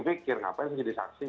saya pikir ngapain saya jadi saksi yang